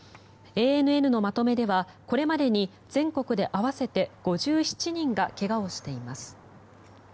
ＡＮＮのまとめではこれまでに全国で合わせて５７人が怪我をしています。